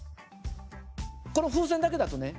この風船だけだとね